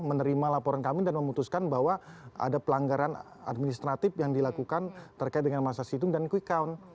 menerima laporan kami dan memutuskan bahwa ada pelanggaran administratif yang dilakukan terkait dengan masa sidang dan quick count